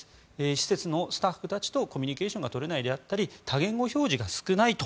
施設のスタッフたちとコミュニケーションが取れないであったり多言語表示が少ないと。